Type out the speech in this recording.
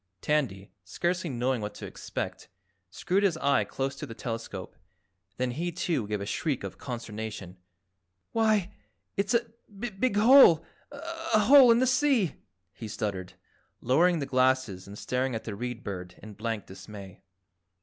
Tandy, scarcely knowing what to expect, screwed his eye close to the telescope, then he, too, gave a shriek of consternation. "Why it's a big HOLE, a HOLE in the sea!" he stuttered, lowering the glasses and staring at the Read Bird in blank dismay.